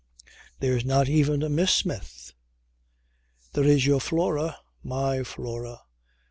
There's not even a Miss Smith." "There is your Flora." "My Flora!